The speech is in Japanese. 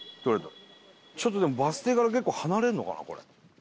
ちょっとでもバス停から結構離れるのかな？